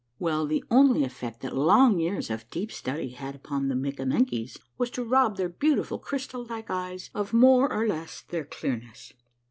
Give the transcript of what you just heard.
Well, the only effect that long years of deep study had upon the Mikkamenkies was to rob their beauti ful crystal like eyes of more or less of their clearness.